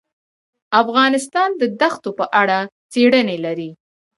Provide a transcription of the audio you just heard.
افغانستان د دښتو په اړه څېړنې لري.